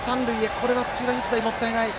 これは土浦日大、もったいない。